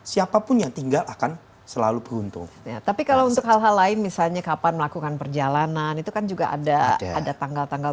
siapapun yang tinggal akan selalu beruntung tapi kalau untuk hal hal lain misalnya kapan melakukan perjalanan itu kan juga ada ada tanggal tanggal